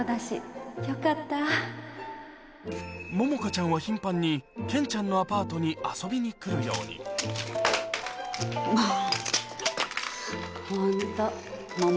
桃花ちゃんは頻繁にケンちゃんのアパートに遊びに来るようにもう。